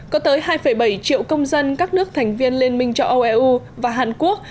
có tới hai bảy triệu công dân các nước thành viên liên minh cho eu và hàn quốc